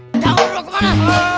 jangan berdua kemana